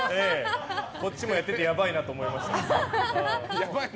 こっちもやっててやばいなと思いました。